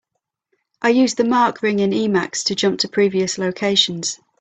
I use the mark ring in Emacs to jump to previous locations.